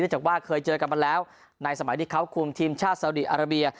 จากว่าเคยเจอกันมาแล้วในสมัยที่เขาคุมทีมชาติสาวดีอาราเบีย